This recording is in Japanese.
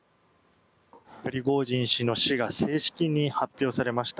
プリゴジン氏の死が正式に発表されました。